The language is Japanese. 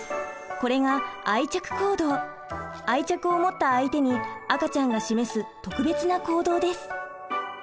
これが愛着を持った相手に赤ちゃんが示す特別な行動です。